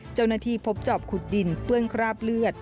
เจ้าหน้าที่พบจอบขุดดินเปื้อนคราบเลือด